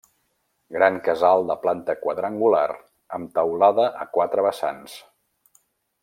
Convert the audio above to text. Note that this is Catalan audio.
Gran casal de planta quadrangular amb teulada a quatre vessants.